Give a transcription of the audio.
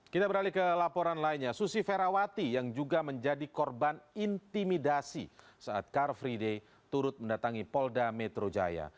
kita beralih ke laporan lainnya susi ferawati yang juga menjadi korban intimidasi saat car free day turut mendatangi polda metro jaya